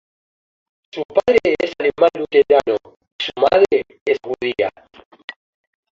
Su padre es alemán luterano y su madre es judía.